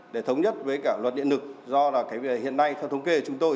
để thống nhất với cả luật điện lực do là cái việc hiện nay theo thống kê của chúng tôi